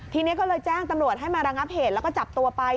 ทีนี้ก็เลยแจ้งตำรวจให้มาระงับเหตุแล้วก็จับตัวไป